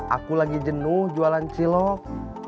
aku lagi jenuh jualan cilok